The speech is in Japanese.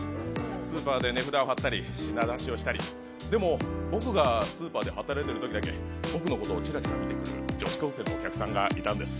スーパーで値札を貼ったり品出しをしたりでも、僕がスーパーで働いてるときだけ、僕のことをちらちら見てくる女子高生のお客さんがいたんです。